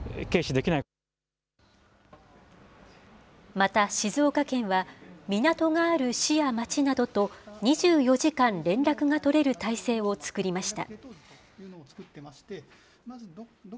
また静岡県は、港がある市や町などと、２４時間連絡が取れる態勢を作りました。